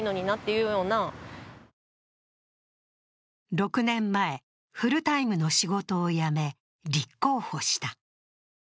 ６年前、フルタイムの仕事を辞め立候補した。